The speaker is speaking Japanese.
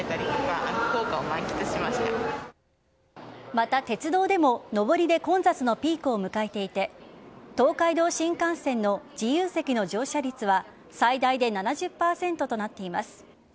また、鉄道でも上りで混雑のピークを迎えていて東海道新幹線の自由席の乗車率は最大で７０％となっています。